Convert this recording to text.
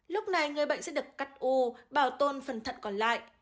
lúc này người bệnh sẽ được cắt u bảo tồn phần thận còn lại